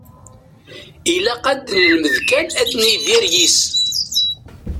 Ilaq ad nelmed kan ad nidir yis-s.